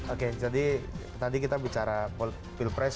oke jadi tadi kita bicara bill press